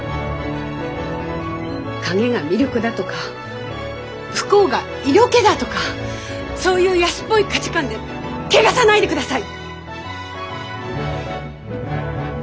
影が魅力だとか不幸が色気だとかそういう安っぽい価値観で汚さないでください！